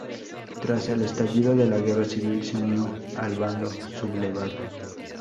Tras el estallido de la Guerra Civil, se unió al bando sublevado.